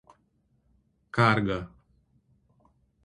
carga